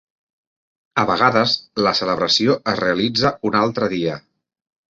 A vegades, la celebració es realitza un altre dia.